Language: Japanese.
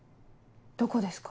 どこですか？